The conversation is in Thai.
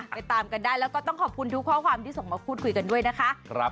ไปตามกันได้แล้วก็ต้องขอบคุณทุกข้อความที่ส่งมาพูดคุยกันด้วยนะคะ